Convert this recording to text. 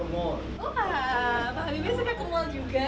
wah pak habibie suka ke mall juga